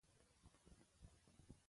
خوب د خوږو رنګونو تصور دی